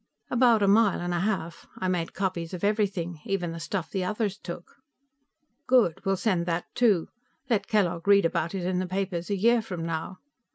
"About a mile and a half. I made copies of everything, even the stuff the others took." "Good. We'll send that, too. Let Kellogg read about it in the papers a year from now."